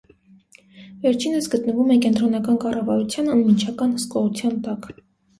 Վերջինս գտնվում է կենտրոնական կառավարության անմիջական հսկողության տակ։